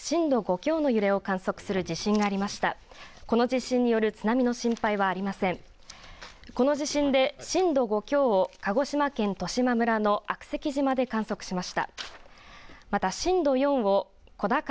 この地震で震度５強を鹿児島県十島村の悪石島で観測しました。